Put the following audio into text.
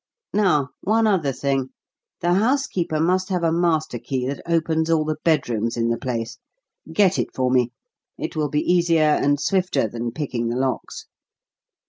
Now one other thing: the housekeeper must have a master key that opens all the bedrooms in the place. Get it for me. It will be easier and swifter than picking the locks."